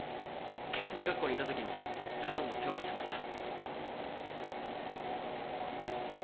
警察学校にいたときに花壇の世話をしてました。